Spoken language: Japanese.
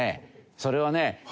それはね